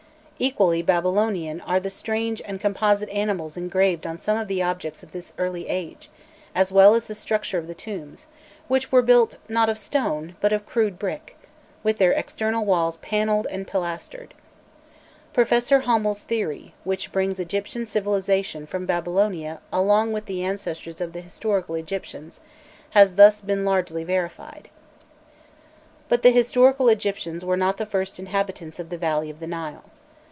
Equally Babylonian are the strange and composite animals engraved on some of the objects of this early age, as well as the structure of the tombs, which were built, not of stone, but of crude brick, with their external walls panelled and pilastered. Professor Hommel's theory, which brings Egyptian civilisation from Babylonia along with the ancestors of the historical Egyptians, has thus been largely verified. But the historical Egyptians were not the first inhabitants of the valley of the Nile.